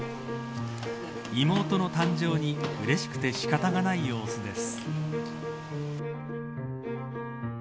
妹の誕生にうれしくて仕方がない様子です。